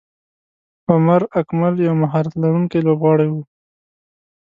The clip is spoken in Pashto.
عمر اکمل یو مهارت لرونکی لوبغاړی وو.